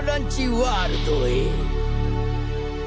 ワールドへ。